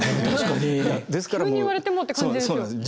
急に言われてもって感じですよ。